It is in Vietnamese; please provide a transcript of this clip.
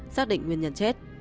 xác định nguyên nhân chết